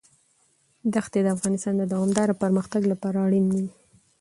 ښتې د افغانستان د دوامداره پرمختګ لپاره اړین دي.